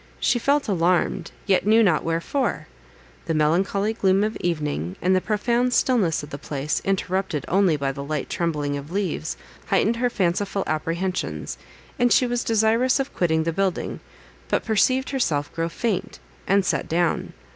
She felt alarmed, yet knew not wherefore; the melancholy gloom of evening, and the profound stillness of the place, interrupted only by the light trembling of leaves, heightened her fanciful apprehensions, and she was desirous of quitting the building, but perceived herself grow faint, and sat down.